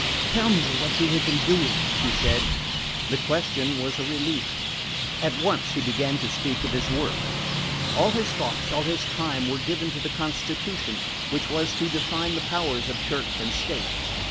"Tell me what you have been doing," she said. The question was a relief. At once he began to separation of his work. All his thoughts, all his time, were given to the constitution which was to define the powers of Church and state.